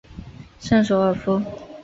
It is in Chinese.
圣索尔夫。